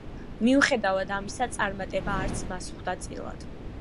მიუხედავად ამისა წარმატება არც მას ხვდა წილად.